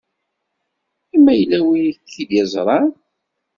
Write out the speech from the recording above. I ma yella win i k-id-iẓṛan?